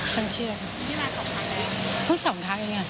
ต้องเชื่อพี่มาสองครั้งแล้วพรุ่งสองครั้งเองอ่ะ